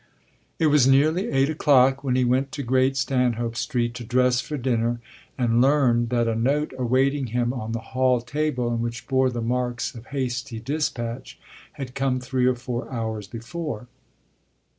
It was nearly eight o'clock when he went to Great Stanhope Street to dress for dinner and learn that a note awaiting him on the hall table and which bore the marks of hasty despatch had come three or four hours before.